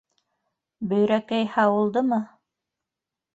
Бөйрәкәй һауылдымы?